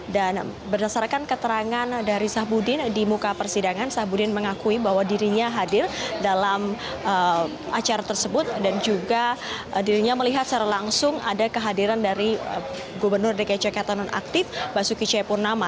dan berdasarkan keterangan dari zahbudin di muka persidangan zahbudin mengakui bahwa dirinya hadir dalam acara tersebut dan juga dirinya melihat secara langsung ada kehadiran dari gubernur dki jakarta non aktif basuki c purnama